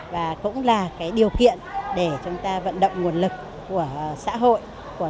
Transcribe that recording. và cũng là điều kiện để chúng ta vận động nguồn lực của xã hội